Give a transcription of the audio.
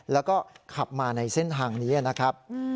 แล้วก็ขับมาในเส้นทางนี้นะครับ